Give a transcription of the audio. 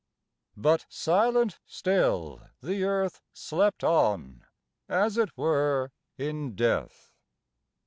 But silent still The Earth slept on, as it were in death.